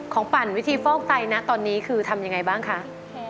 ของปั่นวิธีฟอกไตตอนนี้คือทำอย่างไรบ้างค่ะ